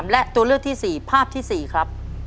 และตัวเลือกที่๔ภาพที่๔ครับ